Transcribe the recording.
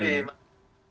baik terima kasih